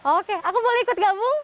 oke aku boleh ikut gabung